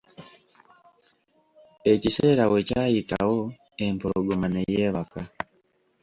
Ekiseera wekyayitawo, empologoma ne yeebaka.